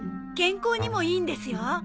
健康にもいいんですよ。